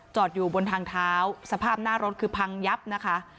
อยู่บนทางเท้าสภาพหน้ารถคือพังยับนะคะ